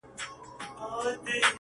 چاته د يار خبري ډيري ښې دي!a